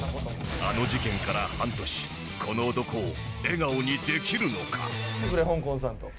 あの事件から半年この男を笑顔にできるのか？